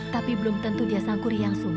tapi belum tentu dia sang kurian sundi